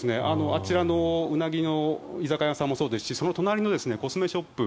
あちらのウナギの居酒屋さんもそうですしその隣のコスメショップ